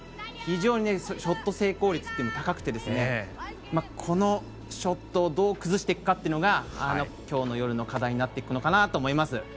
非常にショット成功率が高くてこのショットをどう崩していくかが今日の夜の課題になっていくのかなと思います。